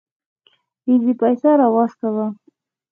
اېزي پيسه راواستوه.